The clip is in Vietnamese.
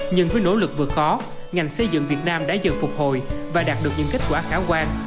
nhưng với nỗ lực vượt khó ngành xây dựng việt nam đã dần phục hồi và đạt được những kết quả khả quan